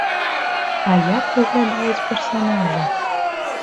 А як выглядаюць персанажы!